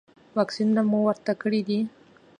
واکسینونه مو ورته کړي دي؟